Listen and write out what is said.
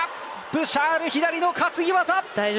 ブシャール左の担ぎ技。